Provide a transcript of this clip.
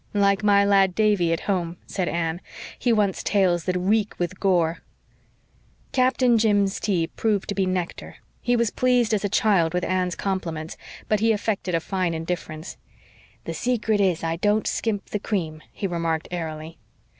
"Like my lad Davy at home," said Anne. "He wants tales that reek with gore." Captain Jim's tea proved to be nectar. He was pleased as a child with Anne's compliments, but he affected a fine indifference. "The secret is I don't skimp the cream," he remarked airily.